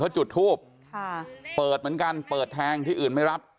เขาจุดทูบเปิดเหมือนกันเปิดแทงที่อื่นไม่รับ